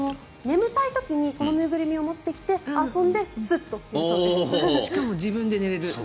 眠たい時にこの縫いぐるみを持ってきてしかも自分で寝れる。